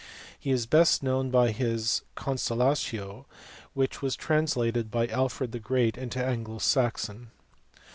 He is best known by his Conso latio, which was translated by Alfred the Great into Anglo Saxon.